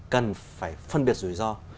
cần phải phân biệt rủi ro